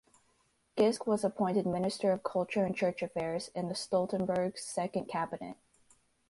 Giske was appointed Minister of Culture and Church Affairs in the Stoltenberg's Second Cabinet.